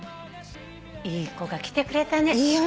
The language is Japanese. いい子が来てくれたね。